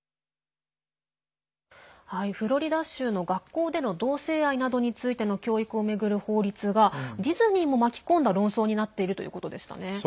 フロリダ州の学校での同性愛などについての教育を巡る法律がディズニーも巻き込んだ論争になっているということでしたね。